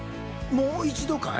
もう一度かい？